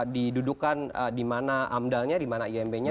didudukan di mana amdalnya di mana imb nya